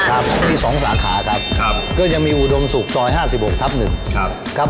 ครับมี๒สาขาครับก็ยังมีอุดมสุขซอย๕๖ทับ๑